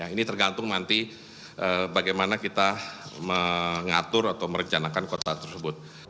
ini tergantung nanti bagaimana kita mengatur atau merencanakan kota tersebut